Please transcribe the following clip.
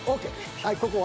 はいここは。